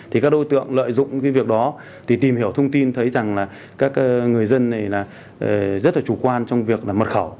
thì các đối tượng lợi dụng cái việc đó thì tìm hiểu thông tin thấy rằng là các người dân này là rất là chủ quan trong việc là mật khẩu